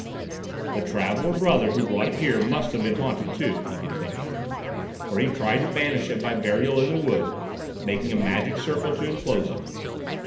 "The traveller brother who brought it here must have been haunted too," he continued, "for he tried to banish it by burial in the wood, making a magic circle to enclose it.